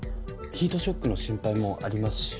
ヒートショックの心配もありますし。